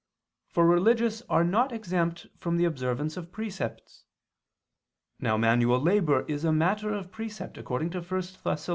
For religious are not exempt from the observance of precepts. Now manual labor is a matter of precept according to 1 Thess.